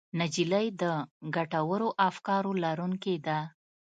نجلۍ د ګټورو افکارو لرونکې ده.